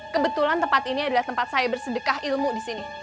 kebetulan tempat ini adalah tempat saya bersedekah ilmu disini